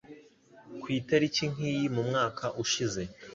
Ku itariki nk'iyi mu mwaka ushize